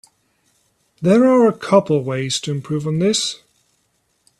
There are a couple ways to improve on this.